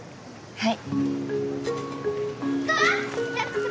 はい。